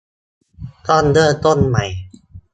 ต้องเริ่มต้นใหม่